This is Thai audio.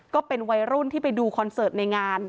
ก็เป็นวัยรุ่นที่ไปดูคอนเสิร์ตในงาน